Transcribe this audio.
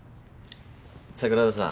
桜田さん。